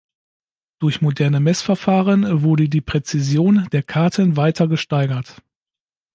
Durch moderne Messverfahren wurde die Präzision der Karten weiter gesteigert.